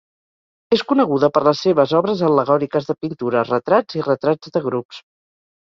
És coneguda per les seves obres al·legòriques de pintures, retrats i retrats de grups.